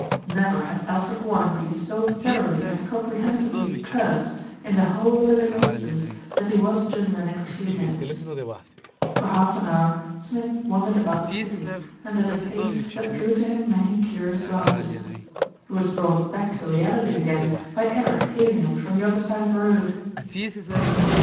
Never had Alfred Warren been so thoroughly and comprehensively cursed in the whole of his existence as he was during the next few minutes. For half an hour Smith wandered about the city, and at a pace that drew to him many curious glances. He was brought back to realities again by Eric hailing him from the other side of the road.